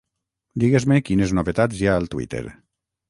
Digues-me quines novetats hi ha al Twitter.